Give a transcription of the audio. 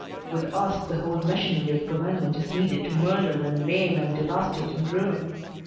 With us the whole machinery of government is needed to murder and maim and devastate and ruin.